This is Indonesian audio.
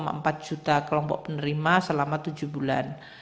ada empat juta kelompok penerima selama tujuh bulan